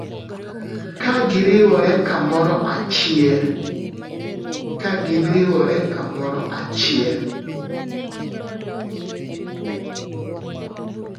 Ka giriwore kamoro achie